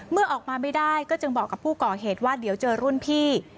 เมื่อออกมาไม่ได้ก็จึงบอกกับผู้ก่อเหตุว่าเดี๋ยวเจอรุ่นพี่